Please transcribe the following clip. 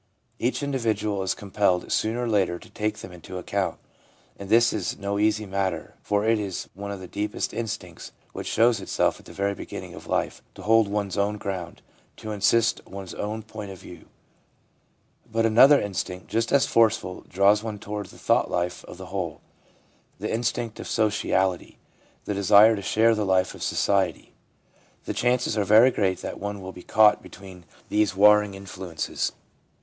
Each individual is compelled sooner or later to take them into account ; and this is no easy matter, for it is one of the deepest instincts, which shows itself at the very beginning of life, to hold one's own ground, to insist on one's own point of view. But another instinct, just as forceful, draws one toward the thought life of the whole— the instinct of sociality, the desire to share the life of society. The chances are GROWTH WITHOUT DEFINITE TRANSITIONS 309 very great that one will be caught between these warring influences.